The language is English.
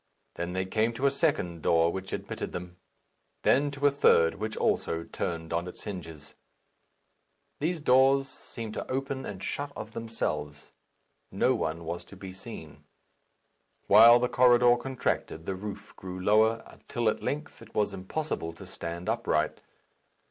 Then they came to a second door, which admitted them; then to a third, which also turned on its hinges. These doors seemed to open and shut of themselves. No one was to be seen. While the corridor contracted, the roof grew lower, until at length it was impossible to stand upright.